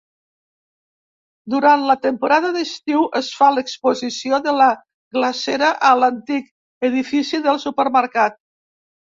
Durant la temporada d'estiu, es fa l'Exposició de la Glacera a l'antic edifici del supermercat.